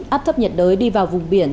áp thấp nhiệt đới đi vào vùng biển